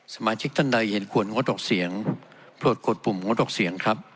สมาชิกท่านใดเห็นควรงดออกเสียงโปรดกดปุ่มงดออกเสียงครับ